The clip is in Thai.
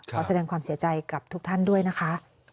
ขอแสดงความเสียใจกับทุกท่านด้วยนะคะ